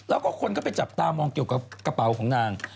แล้วก็คนก็ไปจับตามองเกี่ยวกับกระเป๋าของนาง